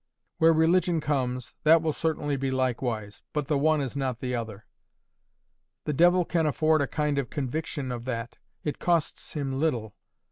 Where religion comes that will certainly be likewise, but the one is not the other. The devil can afford a kind of conviction of that. It costs him little.